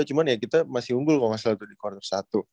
cuman ya kita masih unggul kalau gak salah di quarter satu